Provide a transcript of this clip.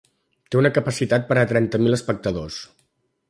Té una capacitat per a trenta mil espectadors.